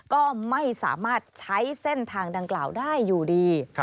ก็ไม่สามารถใช้เส้นทางดังกล่าวได้อยู่ดี